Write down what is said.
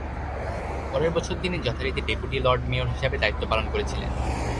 পরের বছর তিনি যথারীতি ডেপুটি লর্ড মেয়র হিসাবে দায়িত্ব পালন করেছিলেন।